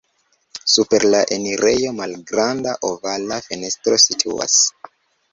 Super la enirejo malgranda ovala fenestro situas.